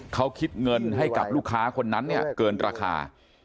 เขาคิดเงินให้กับลูกค้าคนนั้นเนี่ยเกินราคา